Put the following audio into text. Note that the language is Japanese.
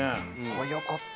早かった。